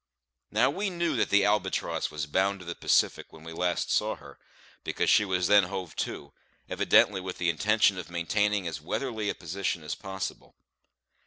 Now we knew that the Albatross was bound to the Pacific when we last saw her, because she was then hove to, evidently with the intention of maintaining as weatherly a position as possible.